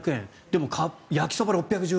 でも、焼きそば６１０円。